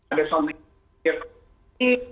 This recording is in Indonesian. ada song yang dikirakan